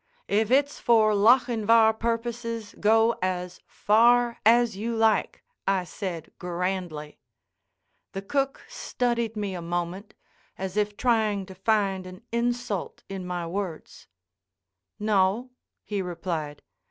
"If it's for Lochinvar purposes, go as far as you like," I said, grandly. The cook studied me a moment, as if trying to find an insult in my words. "No," he replied.